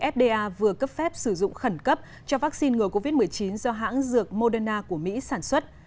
fda vừa cấp phép sử dụng khẩn cấp cho vaccine ngừa covid một mươi chín do hãng dược moderna của mỹ sản xuất